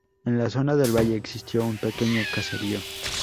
En la zona del valle existe un pequeño caserío.